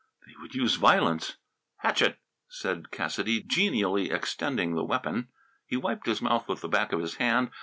They would use violence! "Hatchet!" said Cassidy, genially extending the weapon. He wiped his mouth with the back of his hand.